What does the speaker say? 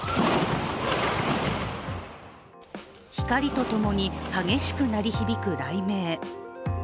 光とともに激しく鳴り響く雷鳴。